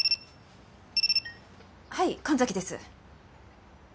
はい神崎です。